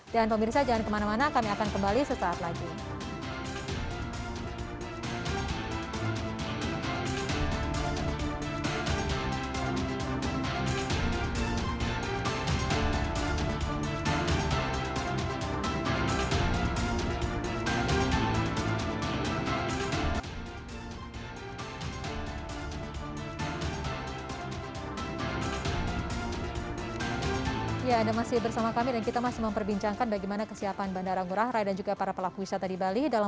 dan pemirsa jangan kemana mana kami akan kembali sesaat lagi